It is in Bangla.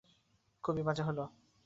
খুবই বাজে হলো।